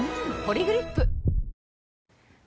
「ポリグリップ」